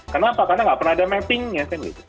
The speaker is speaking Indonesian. kenapa karena nggak pernah ada mappingnya